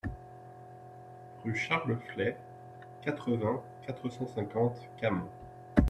Rue Charles Flet, quatre-vingts, quatre cent cinquante Camon